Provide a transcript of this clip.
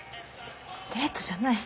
デートじゃない。